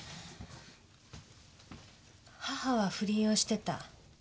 母は不倫をしてた。